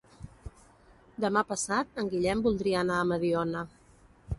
Demà passat en Guillem voldria anar a Mediona.